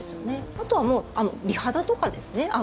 あとは美肌とかですね。